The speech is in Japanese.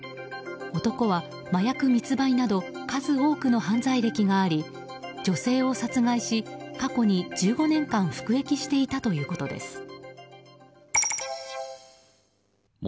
男は麻薬密売など数多くの犯罪歴があり女性を殺害し過去に１５年間服役していたということです。